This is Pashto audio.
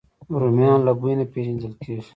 رومیان له بوی نه پېژندل کېږي